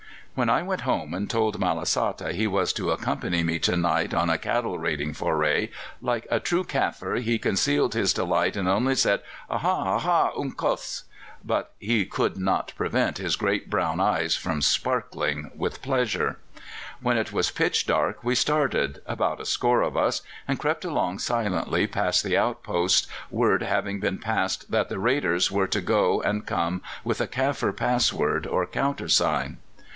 When I went home and told Malasata he was to accompany me to night on a cattle raiding foray, like a true Kaffir, he concealed his delight, and only said, 'Ā hă, Ā hă, Unkos!' but he could not prevent his great brown eyes from sparkling with pleasure. When it was pitch dark we started about a score of us and crept along silently past the outposts, word having been passed that the raiders were to go and come with a Kaffir password or countersign.